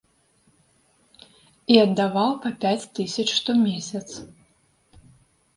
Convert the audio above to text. І аддаваў па пяць тысяч штомесяц.